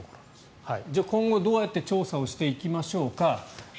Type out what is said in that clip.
じゃあ、今後どうやって調査をしていきましょうか。